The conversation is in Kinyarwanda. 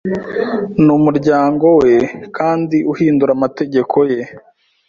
numuryango weKandi uhindura amategeko ye